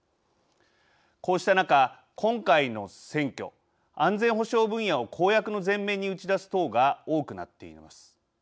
こうした中、今回の選挙安全保障分野を公約の前面に打ち出す党が多くなっています。